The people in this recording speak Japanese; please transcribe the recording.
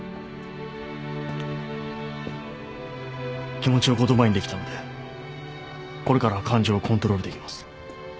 気持ちを言葉にできたのでこれからは感情をコントロールできます。